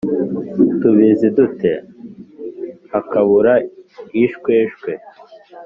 tubizi dute’» hakabura ishweshwe.